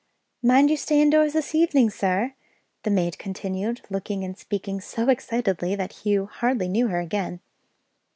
"Mind you stay indoors this evening, sir," the maid continued, looking and speaking so excitedly that Hugh hardly knew her again.